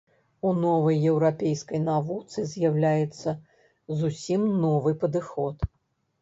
У новай еўрапейскай навуцы з'яўляецца зусім новы падыход.